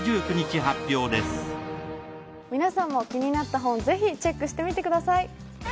皆さんも気になった本ぜひチェックしてみてください